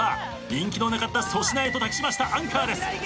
人気のなかった粗品へと託しましたアンカーです。